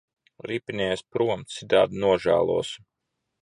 Ripinies prom, citādi nožēlosi.